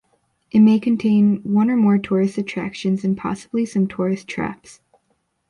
It may contain one or more tourist attractions and possibly some tourist traps.